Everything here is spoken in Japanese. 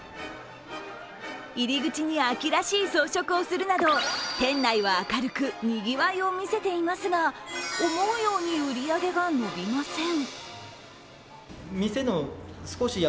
入り口に秋らしい装飾をするなど店内は軽く、にぎわいを見せていますが思うように売り上げが伸びません。